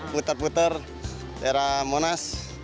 puter puter di daerah monas